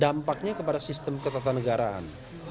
dampaknya kepada sistem ketatanegaraan